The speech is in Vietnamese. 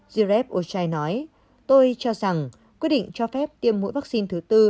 zireb oshai nói tôi cho rằng quyết định cho phép tiêm mũi vắc xin thứ tư